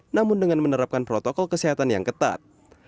namun dengan menerapkan protokol kesehatan yang ketat